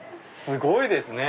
すごいですね！